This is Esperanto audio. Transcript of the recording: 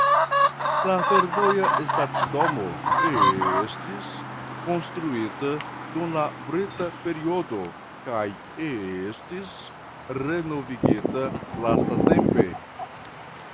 La fervoja stacidomo estis konstruita dum la brita periodo kaj estis renovigita lastatempe.